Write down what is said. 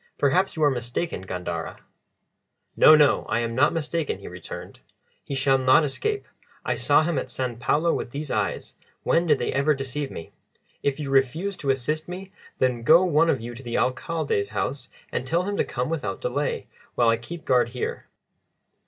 Perhaps you are mistaken, Gandara." "No, no, I am not mistaken," he returned. "He shall not escape. I saw him at San Paulo with these eyes when did they ever deceive me? If you refuse to assist me, then go one of you to the Alcalde's house and tell him to come without delay, while I keep guard here."